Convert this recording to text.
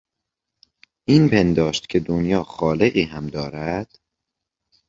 این پنداشت که دنیا خالقی هم دارد...